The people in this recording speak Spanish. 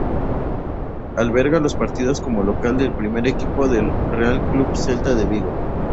Alberga los partidos como local del primer equipo del Real Club Celta de Vigo.